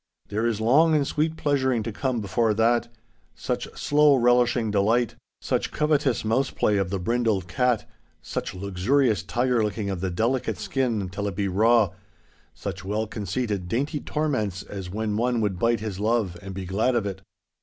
There is long and sweet pleasuring to come before that—such slow, relishing delight, such covetous mouseplay of the brindled cat, such luxurious tiger licking of the delicate skin till it be raw, such well conceited dainty torments as when one would bite his love and be glad of it.